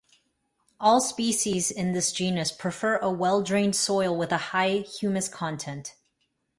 All species in this genus prefer a well-drained soil with a high humus content.